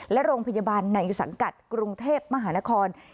และโรงพยาบาลในสังกัดกรุงเทพมหานคร